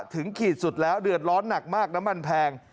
ขีดสุดแล้วเดือดร้อนหนักมากน้ำมันแพง